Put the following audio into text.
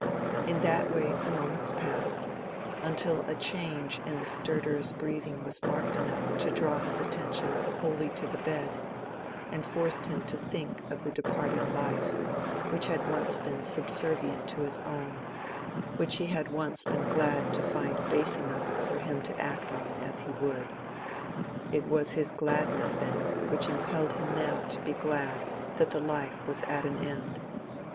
In that way the moments passed, until a change in the stertorous breathing was marked enough to draw his attention wholly to the bed, and forced him to think of the departing life, which had once been subservient to his own—which he had once been glad to find base enough for him to act on as he would. It was his gladness then which impelled him now to be glad that the life was at an end.